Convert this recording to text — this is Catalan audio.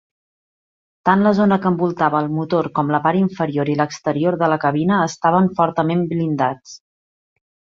Tant la zona que envoltava el motor com la part inferior i l'exterior de la cabina estaven fortament blindats.